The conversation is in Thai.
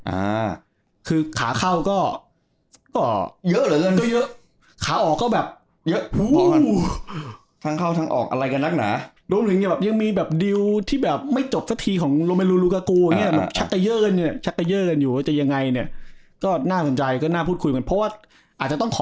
อ่ะคือขาเข้าก็ก็เยอะแล้วแบบเช้าใจมันพอจะต้องขอ